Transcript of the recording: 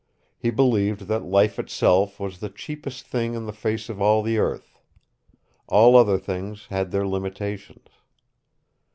He believed that life itself was the cheapest thing on the face of all the earth. All other things had their limitations.